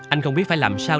anh không biết phải làm sao